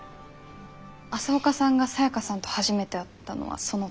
朝岡さんがサヤカさんと初めて会ったのはその時ですか？